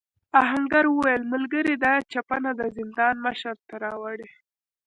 آهنګر وویل ملګري دا چپنه د زندان مشر ته راوړې.